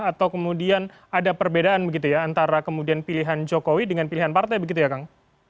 atau kemudian ada perbedaan begitu ya antara kemudian pilihan jokowi dengan pilihan partai begitu ya kang